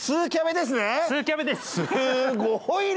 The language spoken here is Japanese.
すごい量！